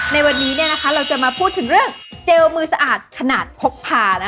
ในวันนี้เราจะมาพูดถึงเรื่องเจลมือสะอาดขนาดพกพา